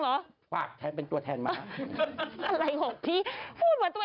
ลีน่าจังลีน่าจังลีน่าจังลีน่าจังลีน่าจังลีน่าจัง